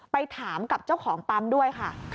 ไปถามกับเจ้าของปั๊มด้วยค่ะ